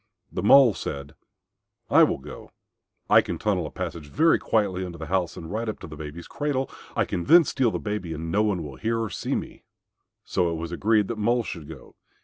The Mole said, "I will go. I can tunnel a passage very quietly under the house and right up to the baby's cradle. I can then steal the baby and no one will hear me or see me." So it was agreed that Mole should go.